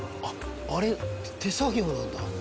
あれ手作業なんだ。